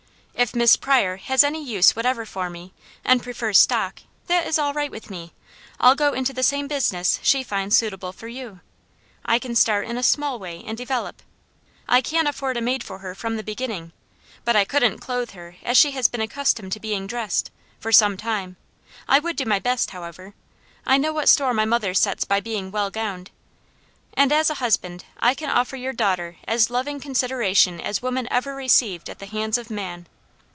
If Miss Pryor has any use whatever for me, and prefers stock, that is all right with me. I'll go into the same business she finds suitable for you. I can start in a small way and develop. I can afford a maid for her from the beginning, but I couldn't clothe her as she has been accustomed to being dressed, for some time. I would do my best, however. I know what store my mother sets by being well gowned. And as a husband, I can offer your daughter as loving consideration as woman ever received at the hands of man.